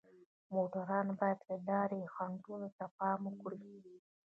موټروان باید د لارې خنډونو ته پام وکړي.